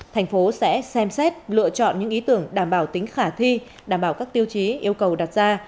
thành phố sẽ xem xét lựa chọn những ý tưởng đảm bảo tính khả thi đảm bảo các tiêu chí yêu cầu đặt ra